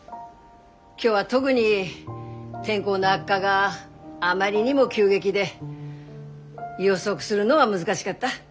今日は特に天候の悪化があまりにも急激で予測するのは難しがった。